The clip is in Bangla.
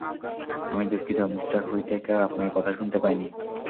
আমি দুঃখিত, মিঃ হুইটেকার, আপনার কথা শুনতে পাইনি।